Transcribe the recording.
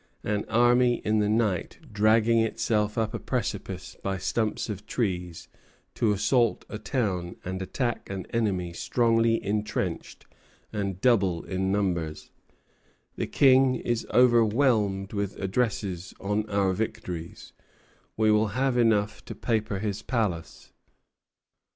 An army in the night dragging itself up a precipice by stumps of trees to assault a town and attack an enemy strongly intrenched and double in numbers! The King is overwhelmed with addresses on our victories; he will have enough to paper his palace." Letters of Horace Walpole, III. 254, 257 (ed.